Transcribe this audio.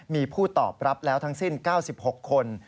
มีผู้ตอบรับแล้วทั้งสิ้น๙๖คน